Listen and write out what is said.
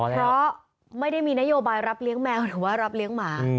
เพราะไม่ได้มีนโยบายรับเลี้ยงแมวหรือว่ารับเลี้ยงหมา